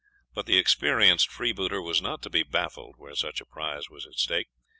But the experienced freebooter was not to be baffled where such a prize was at stake.